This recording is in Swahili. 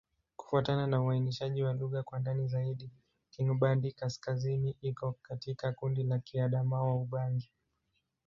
Kufuatana na uainishaji wa lugha kwa ndani zaidi, Kingbandi-Kaskazini iko katika kundi la Kiadamawa-Ubangi.